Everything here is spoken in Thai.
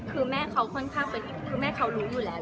คือแม่เขาค่อนข้างเป็นคือแม่เขารู้อยู่แล้ว